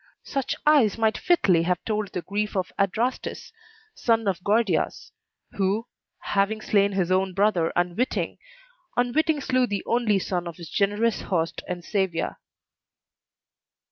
Such eyes might fitly have told the grief of Adrastus, son of Gordias, who, having slain his own brother unwitting, unwitting slew the only son of his generous host and savior.